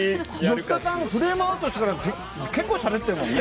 吉田さん、フレームアウトしてから、結構しゃべってるもんね。